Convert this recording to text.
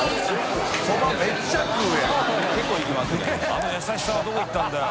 あの優しさはどこ行ったんだよ？